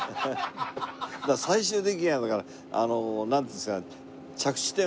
最終的にはだからあのなんていうんですか。